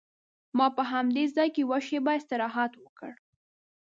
ما په همدې ځای کې یوه شېبه استراحت وکړ.